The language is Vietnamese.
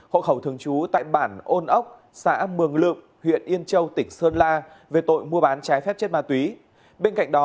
hộ khẩu thường chú tại bản tỉnh hải dương